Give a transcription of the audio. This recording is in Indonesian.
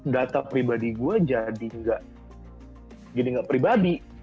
data pribadi gue jadi nggak pribadi